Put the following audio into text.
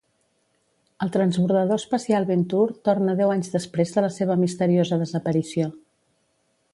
El transbordador espacial "Venture" torna deu anys després de la seva misteriosa desaparició.